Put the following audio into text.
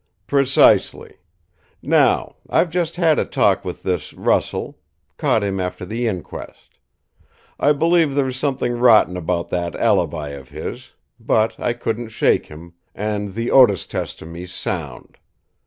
"Precisely. Now, I've just had a talk with this Russell caught him after the inquest. I believe there's something rotten about that alibi of his; but I couldn't shake him; and the Otis testimony's sound.